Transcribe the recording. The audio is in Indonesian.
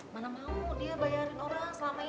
mana mau dia bayarin orang selama ini